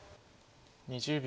２０秒。